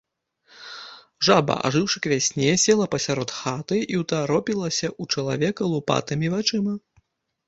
Жаба, ажыўшы к вясне, села пасярод хаты і ўтаропілася ў чалавека лупатымі вачыма.